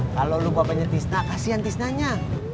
kalau lu bapaknya tisna kasihan tisnanya